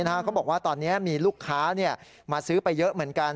เขาบอกว่าตอนนี้มีลูกค้ามาซื้อไปเยอะเหมือนกัน